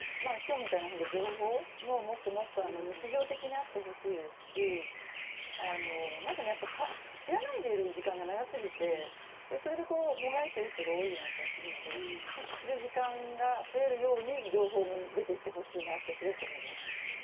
きょうのような情報もっともっと日常的になってほしいですし知らないでいる時間が長すぎてそれでもがいている人が多いような気がするので本当に知る時間が増えるように情報も出ていってほしいなと思います。